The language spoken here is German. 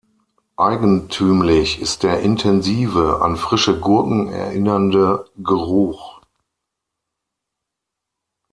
Eigentümlich ist der intensive, an frische Gurken erinnernde Geruch.